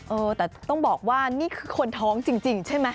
เออแต่ต้องบอกว่านี่คือคนท้องจริงใช่ไหม